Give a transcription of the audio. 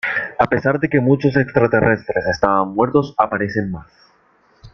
A pesar de que muchos extraterrestre estaban muertos, aparecen más.